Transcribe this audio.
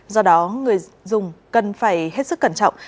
do đó người dùng cần phải hết sức cẩn trọng